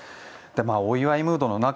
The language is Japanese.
お祝いムードの中